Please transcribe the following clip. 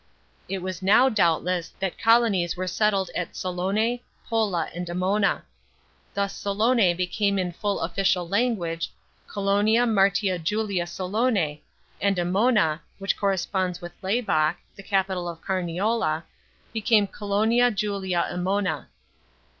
It was now, doubtless, that colonie£ were settled at Salonae, Pola and Emona. Thus Salonge became in full official language, Colonia Martia Julia Salonse, and Emona — which corresponds to Laibach, the capital of Carniola — became Colonia Julia Emona.